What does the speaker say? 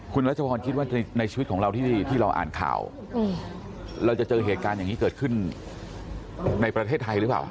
คุณรัชพรคิดว่าในชีวิตของเราที่เราอ่านข่าวเราจะเจอเหตุการณ์อย่างนี้เกิดขึ้นในประเทศไทยหรือเปล่า